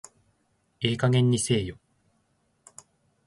ええ加減にせえよ